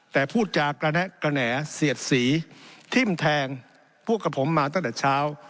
แต่พูดจากระแนะกระแหน่เสียดสีทิ้มแทงพวกกับผมมาตั้งแต่เช้า